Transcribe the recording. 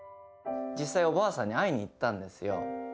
実際おばあさんに会いに行ったんですよ。